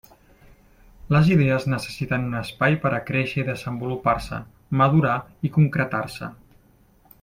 Les idees necessiten un espai per a créixer i desenvolupar-se, madurar i concretar-se.